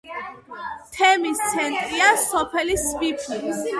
თემის ცენტრია სოფელი სვიფი.